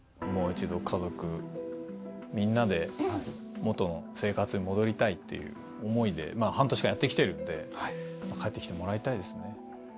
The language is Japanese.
もう一度家族みんなで元の生活に戻りたいっていう思いで半年間やって来てるんで帰って来てもらいたいですね。